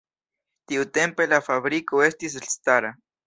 Tiutempe la fabriko estis elstara.